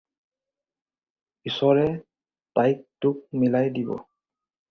ঈশ্বৰে তাইক তোক মিলাই দিব।